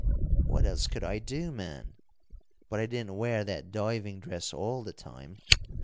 "What else could I do, man? But I didn't wear that diving dress all the time.